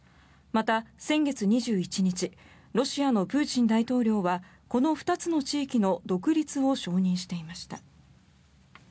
また、先月２１日ロシアのプーチン大統領はこの２つの地域の独立を承認していました。